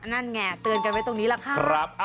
นั่นไงเตือนกันไว้ตรงนี้แหละค่ะ